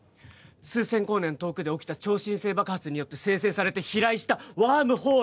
数千光年遠くで起きた超新星爆発によって生成されて飛来したワームホール